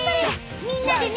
みんなでね！